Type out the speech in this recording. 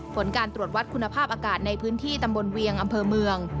ผลการตรวจวัดคุณภาพอากาศในพื้นที่ตำบลเวียงอำเภอเมือง